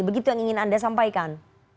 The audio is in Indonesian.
begitu yang ingin anda sampaikan